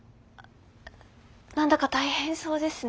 何だか大変そうですね。